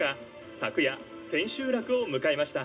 昨夜千秋楽を迎えました。